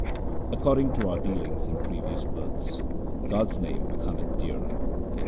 According to our dealings in previous births, God's name becometh dear.